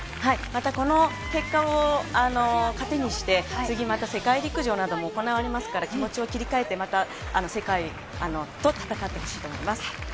この結果を糧にして、次、また世界陸上なども行われますから、気持ちを切り替えて世界と戦ってほしいです。